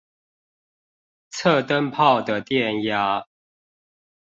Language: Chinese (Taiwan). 測燈泡的電壓